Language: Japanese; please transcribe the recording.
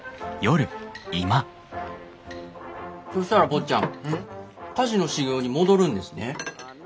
そしたら坊ちゃん菓子の修業に戻るんですね？